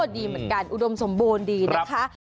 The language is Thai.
ดีเหมือนกันอุดมสมบูรณ์ดีนะคะ